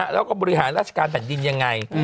และบริหารราชการแบบนี้ยังไง